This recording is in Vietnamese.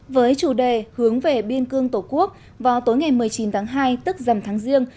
với chủ đề hướng về biên cương tổ quốc vào tối ngày một mươi chín tháng hai tức dầm tháng riêng